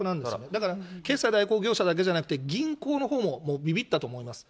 だから、決済代行業者だけじゃなくて、銀行のほうもびびったと思います。